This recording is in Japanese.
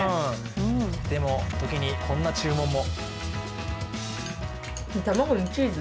でも、ときにこんな注文も。